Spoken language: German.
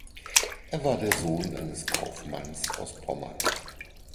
Er war der Sohn eines Kaufmanns aus Pommern.